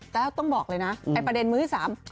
แต่ต้องบอกเลยนะประเด็นมื้อที่สาม